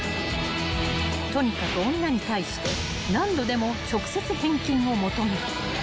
［とにかく女に対して何度でも直接返金を求める］